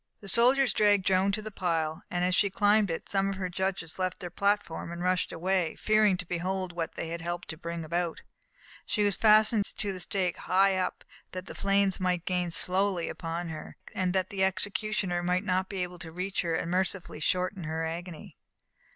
The soldiers dragged Joan to the pile, and as she climbed it, some of her judges left their platform and rushed away, fearing to behold what they had helped to bring about. She was fastened to the stake, high up, that the flames might gain slowly upon her, and that the executioner might not be able to reach her and mercifully shorten her agony.